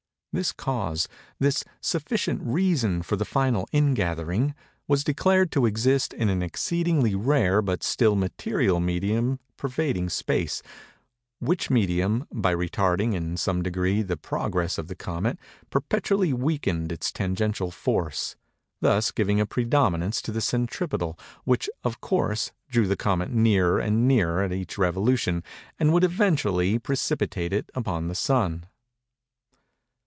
This cause—this sufficient reason for the final ingathering—was declared to exist in an exceedingly rare but still material medium pervading space; which medium, by retarding, in some degree, the progress of the comet, perpetually weakened its tangential force; thus giving a predominance to the centripetal; which, of course, drew the comet nearer and nearer at each revolution, and would eventually precipitate it upon the Sun.